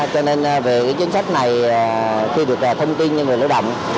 cho nên về chính sách này khi được thông tin cho người lao động